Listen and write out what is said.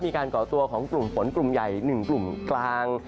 มีการก่อตัวของกลุ่มฝนกลุ่มใหญ่หนึ่งกลุ่มกลาง